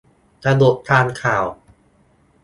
สรุปตามข่าว